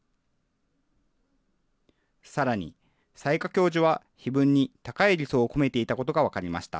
さらに、雑賀教授は碑文に高い理想を込めていたことが分かりました。